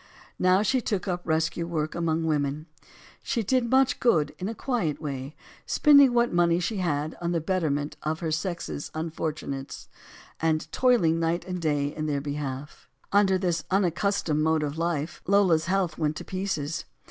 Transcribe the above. Now she took up rescue work among women. She did much good in a quiet way, spending what money she had on the betterment of her sex's un fortunates, and toiling night and day in their be half. Under this unaccustomed mode of life, Lola's health went to pieces.